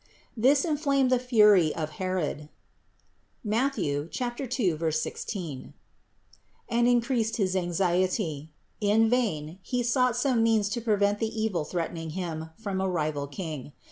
673. This inflamed the fury of Herod (Matth. 2, 16) and increased his anxiety ; in vain he sought some means to prevent the evil threatening Him from a rival King.